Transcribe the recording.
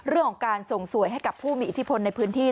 เรื่องของการส่งสวยให้กับผู้มีอิทธิพลในพื้นที่